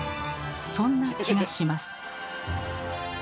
そんな気がします。